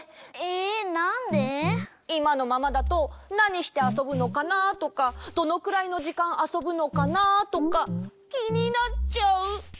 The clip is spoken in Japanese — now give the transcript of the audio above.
いまのままだとなにしてあそぶのかなとかどのくらいのじかんあそぶのかなとかきになっちゃう。